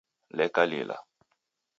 Leka lila